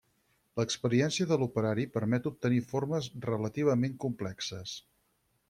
L'experiència de l'operari permet obtenir formes relativament complexes.